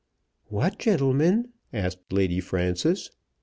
"What gentleman?" asked Lady Frances.